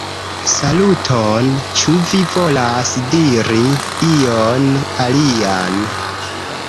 Saluton! Ĉu vi volas diri ion alian?